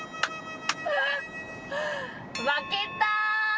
負けた！